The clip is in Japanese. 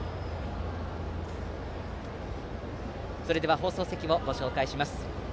放送席をご紹介します。